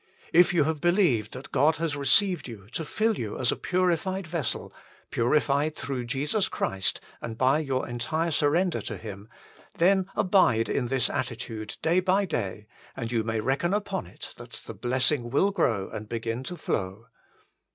If you have believed that God has received you to fill you as a purified vessel purified through Jesus Christ and by your entire surrender to Him then abide in this attitude day by day, and you may reckon upon it that the blessing will grow and begin to flow.